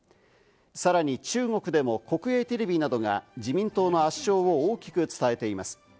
さらに中国でも国営テレビなどが自民党の圧勝を大きく伝えています。